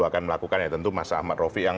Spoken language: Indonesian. akan melakukan tentu mas amar rofiq